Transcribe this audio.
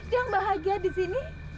yang bahagia di sini